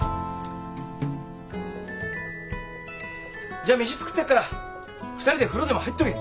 じゃ飯作ってやっから２人で風呂でも入っとけ。